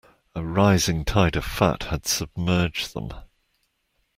A rising tide of fat had submerged them.